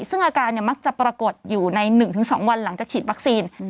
ซึ่งอาการมักจะปรากฏอยู่ใน๑๒วันหลังจากฉีดวัคซีน